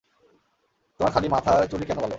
তোমার খালি মাথার চুলই কেন কালো?